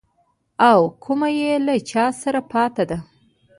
او کومه يې له چا سره پاته ده.